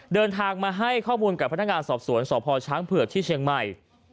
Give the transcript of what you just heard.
เดินทางมาให้ข้อมูลกับพนักงานสอบสวนสพช้างเผือกที่เชียงใหม่